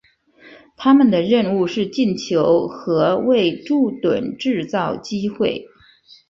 他们的任务是进球和为柱趸制造机会。